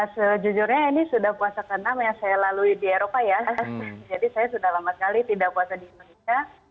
sejujurnya ini sudah puasa ke enam yang saya lalui di eropa ya jadi saya sudah lama sekali tidak puasa di indonesia